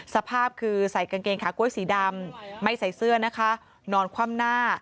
สภาพคือใส่กางเกงขาก๊วยสีดำไม่ใส่เสื้อนะคะนอนคว่ำหน้า